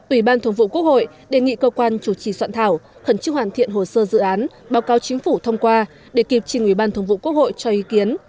ủy ban thường vụ quốc hội đề nghị cơ quan chủ trì soạn thảo khẩn trương hoàn thiện hồ sơ dự án báo cáo chính phủ thông qua để kịp trình ủy ban thống vụ quốc hội cho ý kiến